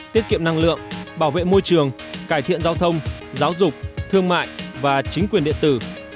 tiết kiệm năng lượng bảo vệ môi trường cải thiện giao thông giáo dục thương mại và chính quyền điện tử